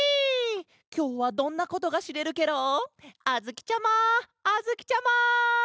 きょうはどんなことがしれるケロ？あづきちゃまあづきちゃま！